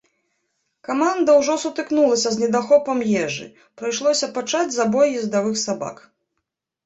Каманда ўжо сутыкнулася з недахопам ежы, прыйшлося пачаць забой ездавых сабак.